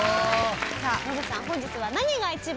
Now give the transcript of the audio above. さあノブさん本日は何が一番。